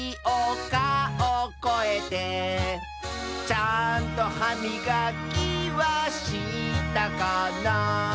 「ちゃんとはみがきはしたかな」